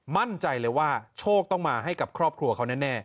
มั่นใจเลยว่าโชคต้องมาให้กับครอบครัวเขาแน่